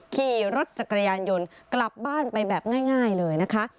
ขี่รถจักรยานยนต์กลับบ้านไปแบบง่ายเลยนะคะ